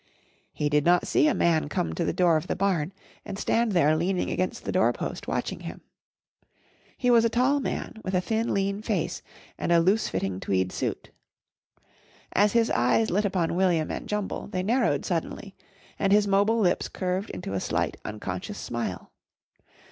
He did not see a man come to the door of the barn and stand there leaning against the door post watching him. He was a tall man with a thin, lean face and a loose fitting tweed suit. As his eyes lit upon William and Jumble they narrowed suddenly and his mobile lips curved into a slight, unconscious smile.